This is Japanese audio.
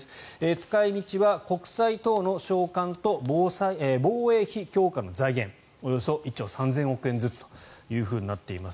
使い道は国債等の償還と防衛費強化の財源およそ１兆３０００億円ずつとなっています。